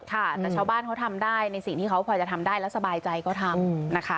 ค่ะแต่ชาวบ้านเขาทำได้ในสิ่งที่เขาพอจะทำได้แล้วสบายใจก็ทำนะคะ